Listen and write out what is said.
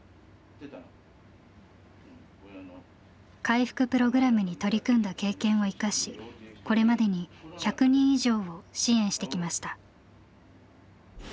回復プログラムに取り組んだ経験を生かしこれまでに１００人以上を支援してきました。